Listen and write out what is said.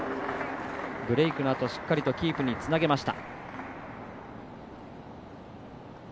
ブレークのあとしっかりとキープにつなぎました。